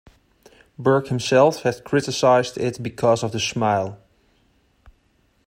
Burke himself had criticized it because of the smile.